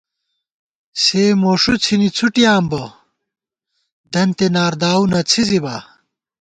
سےموݭُو څھِنی څھُٹیاں بہ دنتے نار داوؤ نہ څھِزِبا